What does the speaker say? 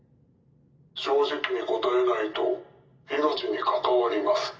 正直に答えないと命に関わりマス。